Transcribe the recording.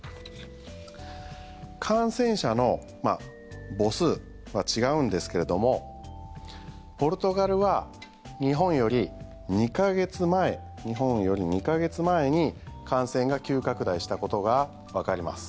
感染者の母数は違うんですけれどもポルトガルは日本より２か月前に感染が急拡大したことがわかります。